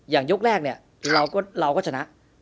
อย่างยกแรกเนี่ยเราก็ชนะ